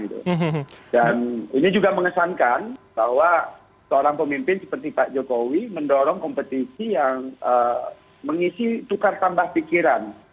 dan ini juga mengesankan bahwa seorang pemimpin seperti pak jokowi mendorong kompetisi yang mengisi tukar tambah pikiran